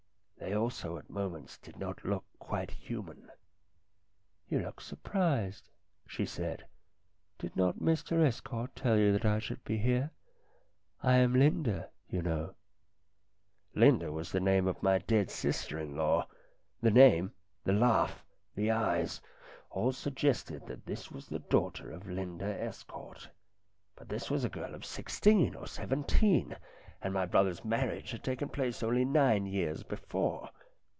They also at moments did not look quite human. "You look surprised," she said. "Did not Mr Estcourt tell you that I should be here ? I am Linda, you know." Linda was the name of my dead sister in law. The name, the laugh, the eyes all suggested that this was the daughter of Linda Estcourt. But this was a girl of sixteen or seventeen, and my brother's marriage had taken place only nine years before.